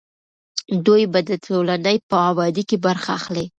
دوی به د ټولنې په ابادۍ کې برخه اخلي.